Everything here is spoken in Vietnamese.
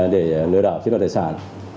để lừa đảo chiếm đoạt tài sản